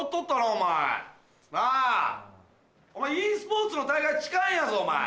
お前ｅスポーツの大会近いんやぞ？